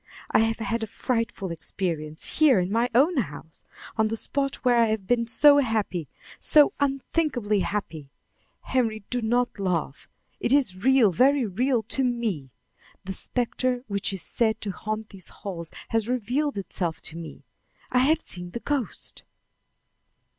I have had a frightful experience here in my own house on the spot where I have been so happy, so unthinkingly happy. Henry do not laugh it is real, very real, to me. The specter which is said to haunt these walls has revealed itself to me. I have seen the ghost."